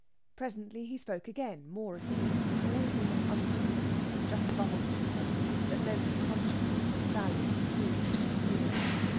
Presently he spoke again, more at ease, but always in the undertone, just above a whisper, that meant the consciousness of Sally, too, near.